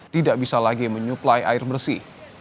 tidak bisa lagi menyuplai air bersih